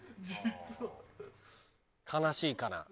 悲しいかな。